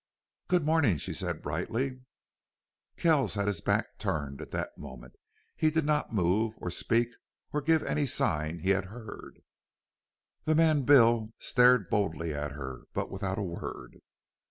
"Good morning," she said, brightly. Kells had his back turned at the moment. He did not move or speak or give any sign he had heard. The man Bill stared boldly at her, but without a word.